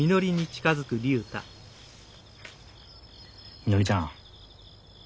みのりちゃん。